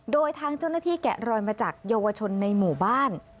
โดยทางเจ้าหน้าที่แกะรอยมาจากเยาวชนในหมู่บ้าน